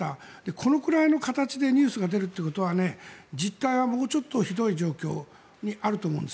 このくらいの形でニュースが出るということは実態はもうちょっとひどい状況にあると思います。